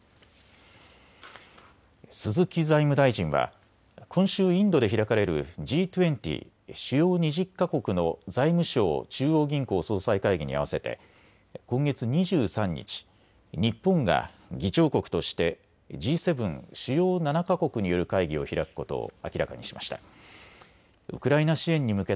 鈴木財務大臣は今週インドで開かれるＧ２０・主要２０か国の財務相・中央銀行総裁会議にあわせて今月２３日、日本が議長国としてＧ７・主要７か国による会議を開くことを明らかにしました。